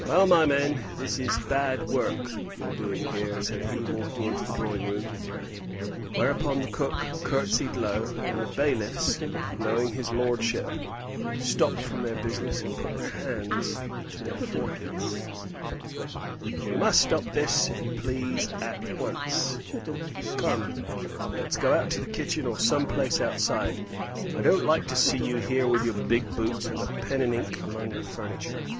"Well, my men, this is bad work you're doing here," said he, walking into the drawing room. Whereupon the cook curtseyed low, and the bailiffs, knowing his lordship, stopped from their business and put their hands to their foreheads. "You must stop this, if you please, at once. Come, let's go out into the kitchen, or some place outside. I don't like to see you here with your big boots and the pen and ink among the furniture."